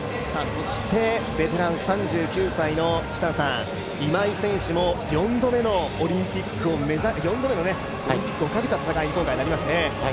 ベテラン３９歳の今井選手も、４度目のオリンピックをかけた戦いに今回なりますね。